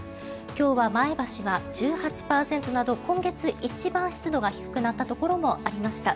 今日は前橋は１８％など今月一番湿度が低くなったところがありました。